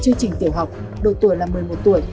chương trình tiểu học độ tuổi là một mươi một tuổi